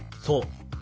そう。